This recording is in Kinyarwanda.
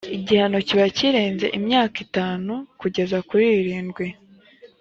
igihano kiba kirenze imyaka itanu kugeza kuri irindwi